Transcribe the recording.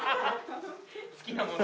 好きなもの。